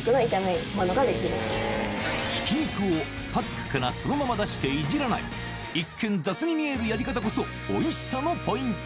ひき肉をパックからそのまま出していじらない一見雑に見えるやり方こそおいしさのポイント